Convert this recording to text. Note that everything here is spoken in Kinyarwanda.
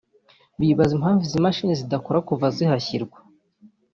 bibaza impamvu izi mashini zidakora kuva zahashyirwa